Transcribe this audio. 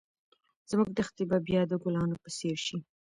زموږ دښتې به بیا د ګلانو په څېر شي.